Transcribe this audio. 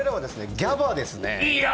ＧＡＢＡですね。